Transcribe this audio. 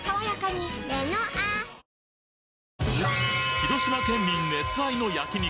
広島県民熱愛の焼き肉